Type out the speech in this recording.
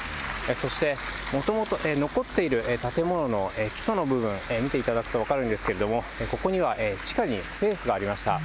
そして、もともと、残っている建物の基礎の部分、見ていただくと分かるんですけれども、ここには地下にスペースがありました。